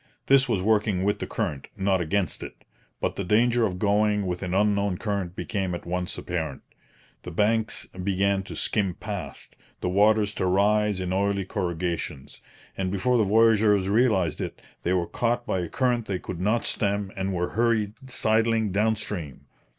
This was working with the current, not against it; but the danger of going with an unknown current became at once apparent. The banks began to skim past, the waters to rise in oily corrugations; and before the voyageurs realized it, they were caught by a current they could not stem and were hurried sidling down stream.